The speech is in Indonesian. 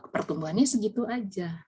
pertumbuhannya segitu aja